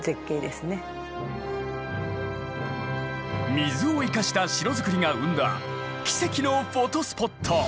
水を生かした城造りが生んだ奇跡のフォトスポット